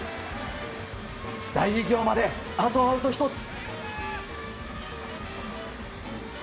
大偉業まであとアウト１つ。